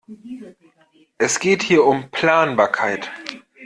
Es geht hier um Planbarkeit.